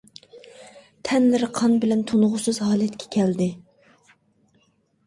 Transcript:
تەنلىرى قان بىلەن تونۇغۇسىز ھالەتكە كەلدى.